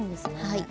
はい。